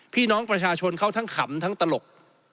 พี่น้องประชาชนเขาทั้งขำทั้งตลก